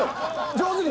上手に。